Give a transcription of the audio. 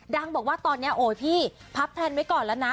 บอกว่าตอนนี้โอ๊ยพี่พับแพลนไว้ก่อนแล้วนะ